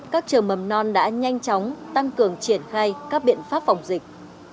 các trường mầm non đã nhanh chóng tăng cường triển khai các biện pháp phòng dịch